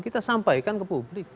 kita sampaikan ke publik